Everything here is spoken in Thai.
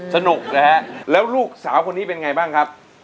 สนุกนะฮะแล้วลูกสาวคนนี้เป็นไงบ้างครับ